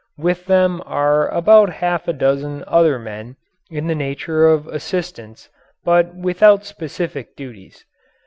With them are about half a dozen other men in the nature of assistants, but without specific duties.